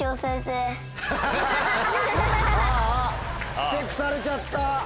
ああふてくされちゃった！